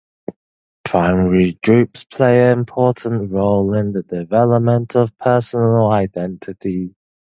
Primary groups play an important role in the development of personal identity.